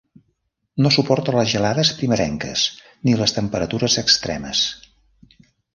No suporta les gelades primerenques ni les temperatures extremes.